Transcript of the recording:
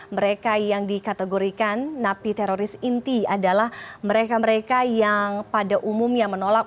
mereka yang dikategorikan napi teroris inti adalah mereka mereka yang pada umumnya menolak